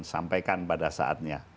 sampaikan pada saatnya